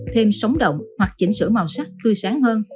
thêm sóng động hoặc chỉnh sửa màu sắc tươi sáng hơn